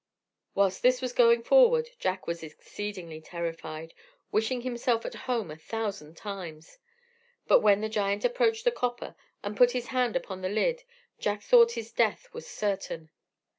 Whilst this was going forward, Jack was exceedingly terrified, wishing himself at home a thousand times; but when the giant approached the copper, and put his hand upon the lid, Jack thought his death was certain.